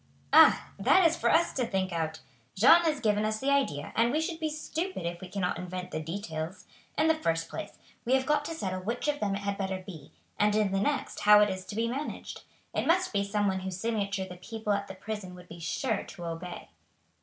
"Ah, that is for us to think out! Jeanne has given us the idea, and we should be stupid if we cannot invent the details. In the first place we have got to settle which of them it had better be, and in the next how it is to be managed. It must be some one whose signature the people at the prison would be sure to obey."